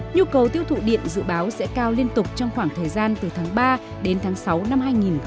nhu cầu tiêu thụ điện dự báo sẽ cao liên tục trong khoảng thời gian từ tháng ba đến tháng sáu năm hai nghìn hai mươi